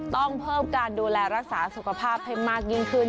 ต้องเพิ่มการดูแลรักษาสุขภาพให้มากยิ่งขึ้น